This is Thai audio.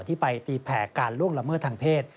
ที่ไปตีแผ่การล่วงละเมิดทางเพศ